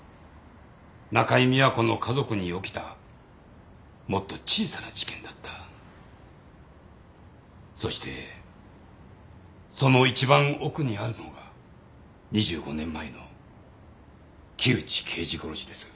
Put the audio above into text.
中井美和子の家族に起きたもっと小さな事件だったそしてその一番奥にあるのが２５年前の木内刑事殺しです